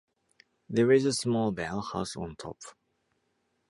There is a small bell house on top.